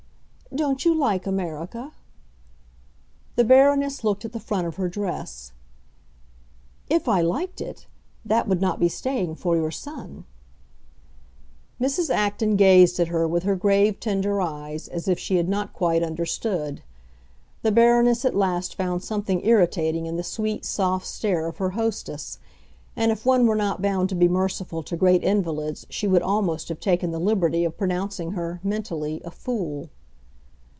"Don't you like America?" The Baroness looked at the front of her dress. "If I liked it—that would not be staying for your son!" Mrs. Acton gazed at her with her grave, tender eyes, as if she had not quite understood. The Baroness at last found something irritating in the sweet, soft stare of her hostess; and if one were not bound to be merciful to great invalids she would almost have taken the liberty of pronouncing her, mentally, a fool.